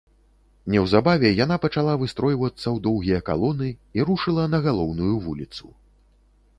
Неўзабаве яна пачала выстройвацца ў доўгія калоны і рушыла на галоўную вуліцу.